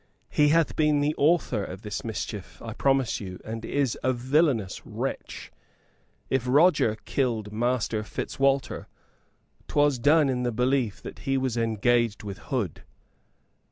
He hath been the author of this mischief, I promise you, and is a villainous wretch. If Roger killed Master Fitzwalter, 'twas done in the belief that he was engaged with Hood."